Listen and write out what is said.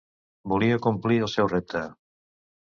Volia complir el seu repte.